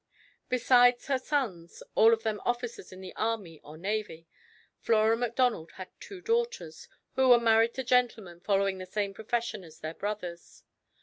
Besides her sons, all of them officers in the army or navy, Flora Macdonald had two daughters, who were married to gentlemen following the same profession as their brothers.